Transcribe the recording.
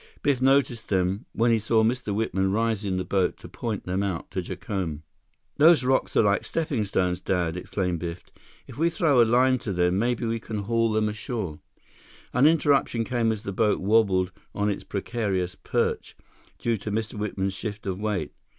Biff noticed them when he saw Mr. Whitman rise in the boat to point them out to Jacome. "Those rocks are like steppingstones, Dad!" exclaimed Biff. "If we throw a line to them, maybe we can haul them ashore—" An interruption came as the boat wabbled on its precarious perch, due to Mr. Whitman's shift of weight.